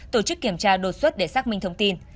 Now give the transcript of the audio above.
tổ chức kiểm tra đột xuất để xác minh thông tin